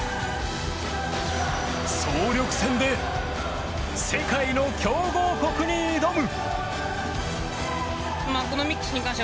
総力戦で、世界の強豪国に挑む。